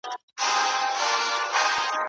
ما غوښتل چې هغې ته لاس ورکړم.